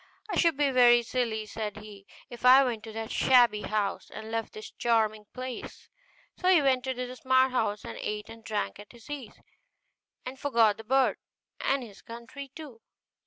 'I should be very silly,' said he, 'if I went to that shabby house, and left this charming place'; so he went into the smart house, and ate and drank at his ease, and forgot the bird, and his country too.